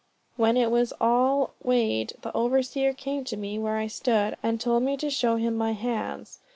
When it was all weighed, the overseer came to me where I stood, and told me to show him my hands.